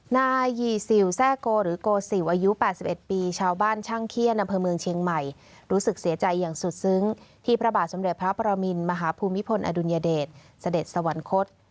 นายยีซิลแซ่โกหรือโกซิลอายุ๘๑ปีชาวบ้านช่างเขี้ยนอำเภอเมืองเชียงใหม่รู้สึกเสียใจอย่างสุดซึ้งที่พระบาทสมเด็จพระประมินมหาภูมิพลอดุลยเดชเสด็จสวรรคต